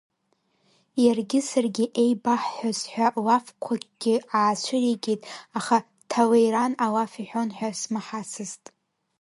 Иаргьы саргьы еибаҳҳәаз ҳәа лафқәакгьы аацәыригеит, аха Ҭалеиран алаф иҳәон ҳәа смаҳацызт.